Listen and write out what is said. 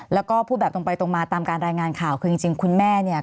แล้วก็พูดแบบตรงไปตรงมาตามการรายงานข่าวคือจริงคุณแม่เนี่ย